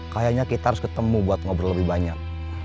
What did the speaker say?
kayaknya kita harus ketemu buat ngobrol lebih banyak